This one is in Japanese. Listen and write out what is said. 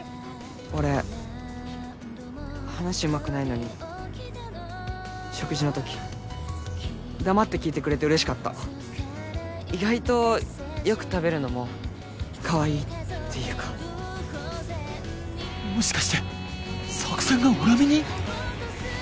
俺話うまくないのに食事のとき黙って聞いてくれて嬉しかった意外とよく食べるのもかわいいっていうかもしかして作戦が裏目に？